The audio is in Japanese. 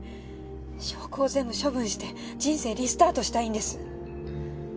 証拠を全部処分して人生リスタートしたいんです。